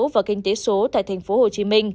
và kinh tế số tại tp hcm